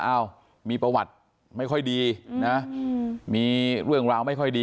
อ้าวมีประวัติไม่ค่อยดีนะมีเรื่องราวไม่ค่อยดี